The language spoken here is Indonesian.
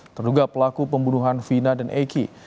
terduga pelaku pembunuhan vina dan eki